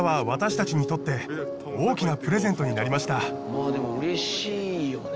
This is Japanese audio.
まあでもうれしいよね